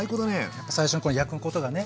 やっぱ最初の焼くことがね